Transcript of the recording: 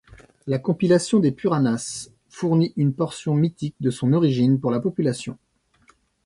La compilation des Puranas fournit une portion mythique de son origine pour la population.